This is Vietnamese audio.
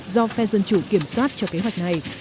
do phe dân chủ kiểm soát cho kế hoạch này